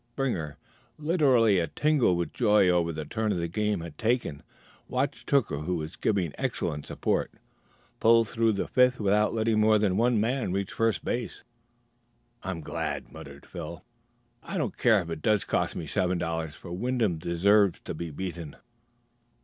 Springer, literally a tingle with joy over the turn the game had taken, watched Hooker, who was given excellent support, pull through the fifth without letting more than one man reach first base. "I'm glad," muttered Phil. "I don't care if it does cost me seven dollars, for Wyndham deserves to be beaten."